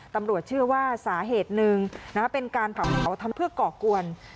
ตำรวจเชื่อว่าสาเหตุหนึ่งเป็นการเผาทำเพื่อก่อกวน